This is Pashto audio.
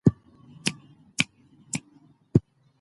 مطالعه انسان ته دا ورزده کوي چې څنګه په خپلو پښو ودرېږي.